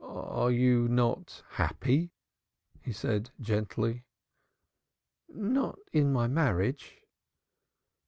"Are you not happy?" he said gently. "Not in my marriage."